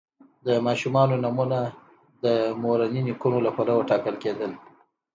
د ماشومانو نومونه د مورني نیکونو له پلوه ټاکل کیدل.